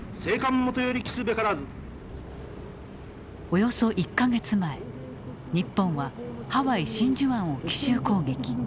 およそ１か月前日本はハワイ真珠湾を奇襲攻撃。